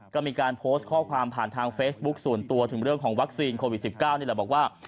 ก็มีการโพสต์ข้อความผ่านทางเฟซบุ๊คส่วนตัวถึงเรื่องของวัคซีนโควิด๑๙นี่แหละบอกว่า